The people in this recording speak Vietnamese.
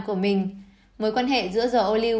của mình mối quan hệ giữa dầu ô lưu